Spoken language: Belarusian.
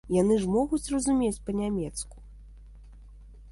Яны ж могуць разумець па-нямецку.